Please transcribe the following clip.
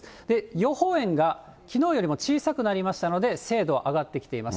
予報円がきのうよりも小さくなりましたので、精度は上がってきています。